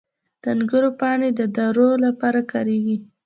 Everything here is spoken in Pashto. • د انګورو پاڼې د دارو لپاره کارېږي.